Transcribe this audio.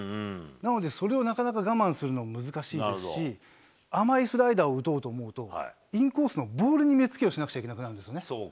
なのでそれをなかなか我慢するのが難しいですし、甘いスライダーを打とうと思うと、インコースのボールに目付けをしなくちゃいけなくなるんですね。